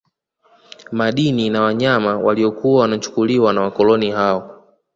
Madini na wanyama waliokuwa wanachukuliwa na wakoloni hao